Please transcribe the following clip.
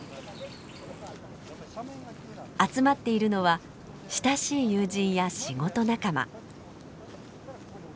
集まっているのは親しい友人や仕事仲間。